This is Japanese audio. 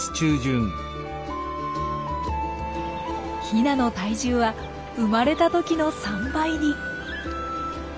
ヒナの体重は生まれた時の３倍に。